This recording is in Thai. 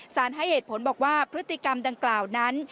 ให้เหตุผลบอกว่าพฤติกรรมดังกล่าวนั้น